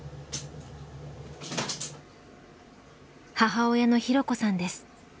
母親の弘子さんです。